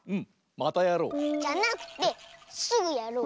またやろう！じゃなくてすぐやろう！